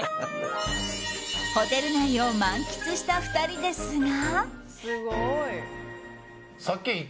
ホテル内を満喫した２人ですが。